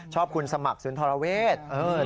ชอบคุณสมัครศูนย์ธราเวช